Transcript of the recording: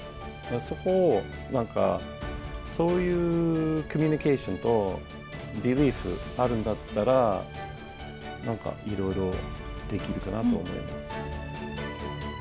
そこをなんか、そういうコミュニケーションとビリーブあるんだったら、なんかいろいろできるかなと思います。